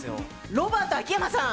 ロバート・秋山さん。